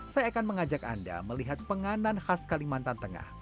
saya akan mengajak anda melihat penganan khas kalimantan tengah